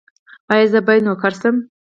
ایا زه باید نوکر شم؟